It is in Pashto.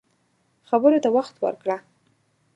خبرو ته وخت ورکړه